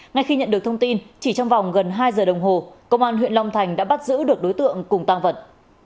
ngay khi nhận được thông tin chỉ trong vòng gần hai giờ đồng hồ công an huyện long thành đã bắt giữ được đối tượng cùng tăng vật